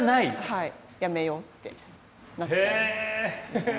はいやめようってなっちゃうんですね。